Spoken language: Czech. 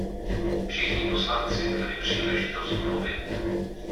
Všichni poslanci měli příležitost mluvit.